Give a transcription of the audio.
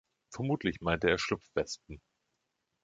Vermutlich meinte er Schlupfwespen.